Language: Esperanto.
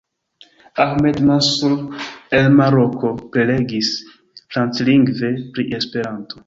Ahmed Mansur el Maroko prelegis franclingve pri Esperanto.